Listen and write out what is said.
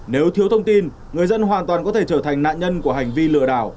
nếu thiếu thông tin người dân hoàn toàn có thể trở thành nạn nhân của hành vi lừa đảo